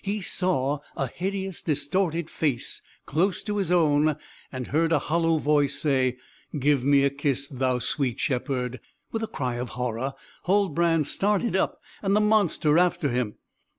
He saw a hideous distorted face close to his own, and heard a hollow voice say, "Give me a kiss, thou sweet shepherd!" With a cry of horror Huldbrand started up, and the monster after him.